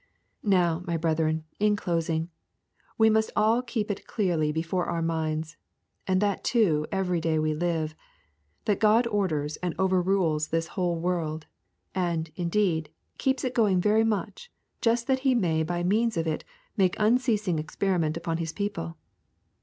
Now, my brethren, in closing, we must all keep it clearly before our minds, and that too every day we live, that God orders and overrules this whole world, and, indeed, keeps it going very much just that He may by means of it make unceasing experiment upon His people.